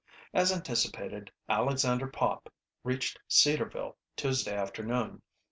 As anticipated, Alexander Pop reached Cedarville Tuesday afternoon.